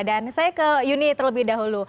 dan saya ke yuni terlebih dahulu